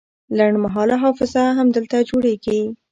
لنډمهاله حافظه همدلته جوړیږي.